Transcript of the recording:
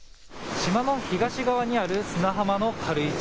島の東側にある砂浜の軽石。